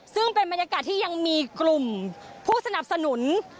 ซึ่งเป็นบรรยากาศที่ยังมีกลุ่มผู้สนับสนุน